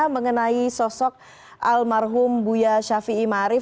mengenai sosok almarhum buya syafiq ima arief